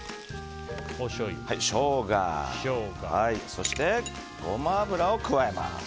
ショウガそしてごま油を加えます。